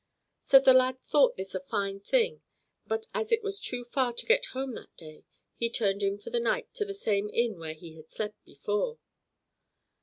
'" So the lad thought this a fine thing but as it was too far to get home that day, he turned in for the night to the same inn where he had slept before.